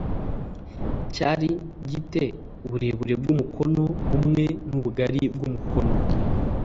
Cyari gi te uburebure bw umukono umwe n ubugari bw umukono